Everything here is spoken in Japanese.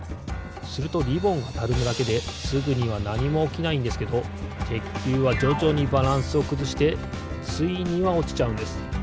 するとリボンがたるむだけですぐにはなにもおきないんですけどてっきゅうはじょじょにバランスをくずしてついにはおちちゃうんです。